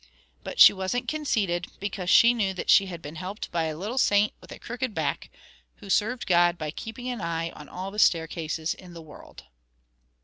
But she wasn't conceited, because she knew that she had been helped by a little saint with a crooked back, who served God by keeping an eye on all the staircases in the world.